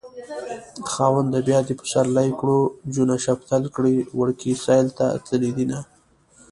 خاونده بيا دې پسرلی کړو جونه شفتل کړي وړکي سيل ته تللي دينه